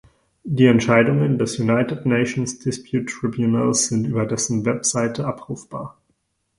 Die Entscheidungen des United Nations Dispute Tribunals sind über dessen Webseite abrufbar.